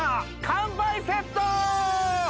乾杯セット！